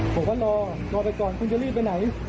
บอกว่ารอรอไปก่อนคุณจะรีบไปไหน